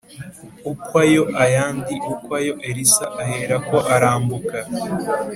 Ukwayo ayandi ukwayo elisa aherako arambuka